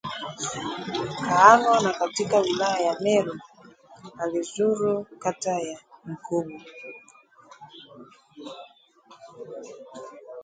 Kaanwa na katika wilaya ya Meru alizuru kata ya Nkubu